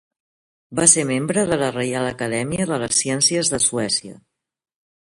Va ser membre de la Reial Acadèmia de les Ciències de Suècia.